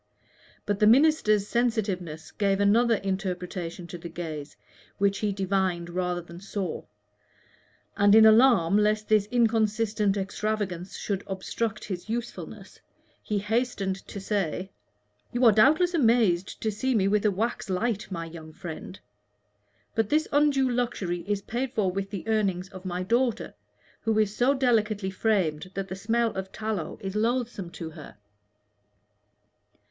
But the minister's sensitiveness gave another interpretation to the gaze which he divined rather than saw; and in alarm lest this inconsistent extravagance should obstruct his usefulness, he hastened to say "You are doubtless amazed to see me with a wax light, my young friend; but this undue luxury is paid for with the earnings of my daughter, who is so delicately framed that the smell of tallow is loathsome to her."